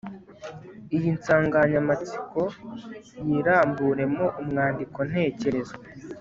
iyinsanganyamatsiko yiramburemo umwandiko ntekerezo